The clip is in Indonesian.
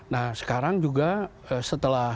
nah sekarang juga setelah